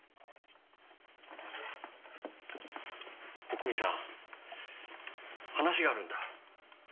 おくみさん話があるんだ。